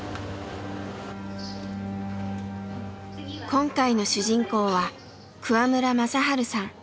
今回の主人公は桑村雅治さん